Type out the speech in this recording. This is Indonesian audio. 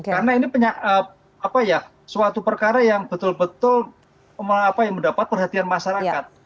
karena ini suatu perkara yang betul betul mendapat perhatian masyarakat